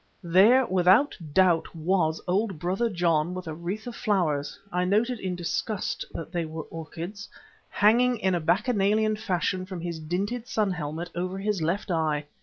There, without doubt, was old Brother John with a wreath of flowers I noted in disgust that they were orchids hanging in a bacchanalian fashion from his dinted sun helmet over his left eye.